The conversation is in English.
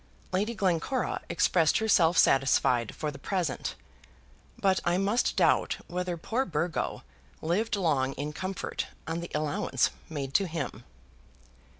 Lady Glencora expressed herself satisfied for the present; but I must doubt whether poor Burgo lived long in comfort on the allowance made to him.